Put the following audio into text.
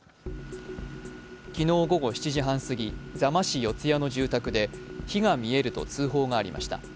昨日午後７時半すぎ、座間市四ツ谷の住宅で火が見えると通報がありました。